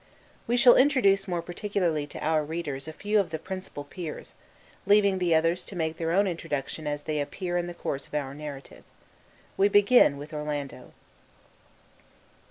We shall introduce more particularly to our readers a few of the principal peers, leaving the others to make their own introduction as they appear in the course of our narrative. We begin with Orlando.